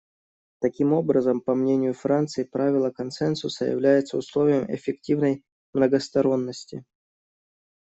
Таким образом, по мнению Франции, правило консенсуса является условием эффективной многосторонности.